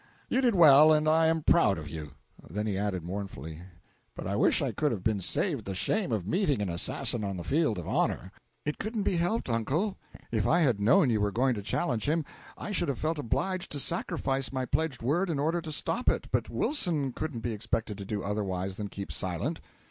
You did well, and I am proud of you." Then he added mournfully, "But I wish I could have been saved the shame of meeting an assassin on the field of honor." "It couldn't be helped, uncle. If I had known you were going to challenge him I should have felt obliged to sacrifice my pledged word in order to stop it, but Wilson couldn't be expected to do otherwise than keep silent."